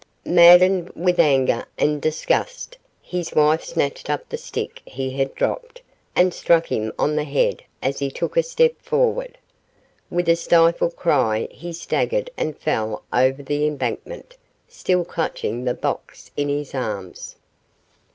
Maddened with anger and disgust, his wife snatched up the stick he had dropped, and struck him on the head as he took a step forward. With a stifled cry he staggered and fell over the embankment, still clutching the box in his arms.